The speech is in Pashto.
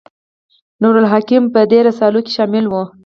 نور الحکم په دې رسالو کې شامل و.